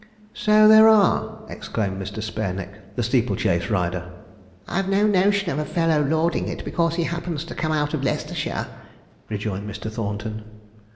'So there are!' exclaimed Mr. Spareneck, the steeple chase rider. 'I've no notion of a fellow lording it, because he happens to come out of Leicestershire,' rejoined Mr. Thornton.